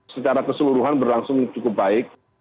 secara keseluruhan berlangsung cukup baik